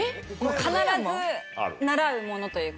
必ず習うものというか。